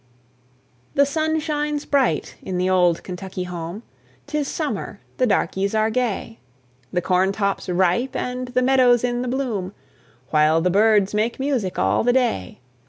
The sun shines bright in the old Kentucky home; 'Tis summer, the darkeys are gay; The corn top's ripe, and the meadow's in the bloom, While the birds make music all the day.